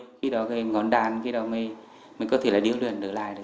cái đó cái ngón đàn cái đó mình có thể là điêu luyện được lại